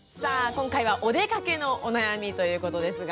今回は「おでかけのお悩み」ということですが。